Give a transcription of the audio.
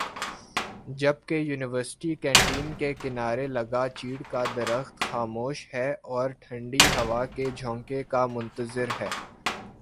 جبکہ university canteen کے کنارے لگا چیڑ کا درخت خاموش ہےاور ٹھنڈی ہوا کے جھونکوں کا منتظر ہے